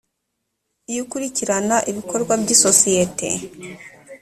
iyo ukurikirana ibikorwa by’isosiyete